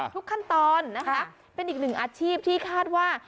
ทุกขั้นตอนนะคะเป็นอีกหนึ่งอาชีพที่คาดว่า